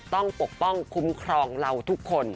ปกป้องคุ้มครองเราทุกคน